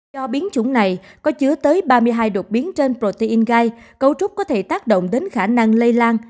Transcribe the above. do biến chủng này có chứa tới ba mươi hai đột biến trên protein gai cấu trúc có thể tác động đến khả năng lây lan